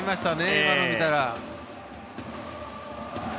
今のを見たら。